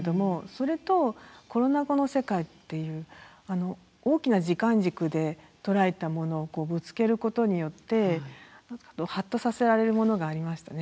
それとコロナ後の世界っていう大きな時間軸で捉えたものをぶつけることによってはっとさせられるものがありましたね。